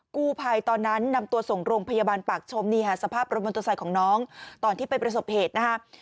กู้ภัยตอนนั้นนำตัวส่งโรงพยาบาลปากชมสภาพระบบนตัวใส่ของน้องตอนที่ไปประสบเหตุ